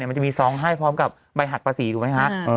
มันจะมีซองให้พร้อมกับใบหักประสิทธิ์ถูกไหมคะ